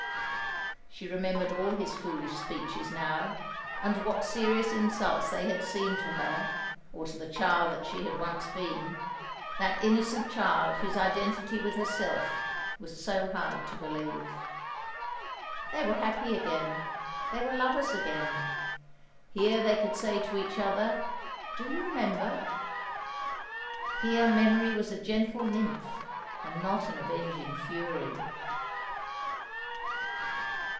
She remembered all his foolish speeches now, and what serious insults they had seemed to her, or to the child that she had once been that innocent child whose identity with herself was so hard to believe. They were happy again, they were lovers again. Here they could say to each other, "Do you remember?" Here memory was a gentle nymph, and not an avenging fury.